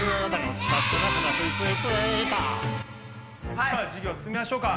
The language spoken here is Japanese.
じゃあ授業進めましょうか。